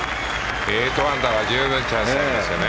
８アンダーは十分チャンスがありますね。